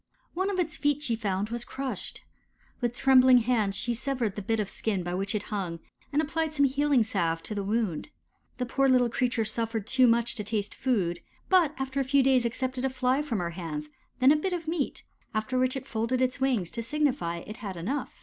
One of its feet she found was crushed. With trembling hands she severed the bit of skin by which it hung, and applied some healing salve to the wound. The poor little creature suffered too much to taste food, but after a few days accepted a Fly from her hands, then a bit of meat, after which it folded its wings to signify it had enough.